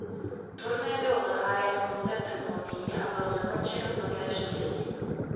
Turné bylo zahájeno koncertem v Londýně a bylo zakončeno v tomtéž městě.